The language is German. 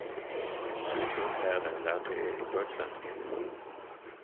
Goethe und Herder lernte er in Deutschland kennen.